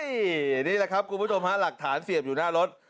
นี่แหละครับคุณผู้ชมฮะหลักฐานเสียบอยู่หน้ารถ